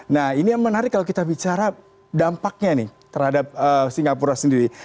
nah ini yang menarik kalau kita bicara dampaknya nih terhadap singapura sendiri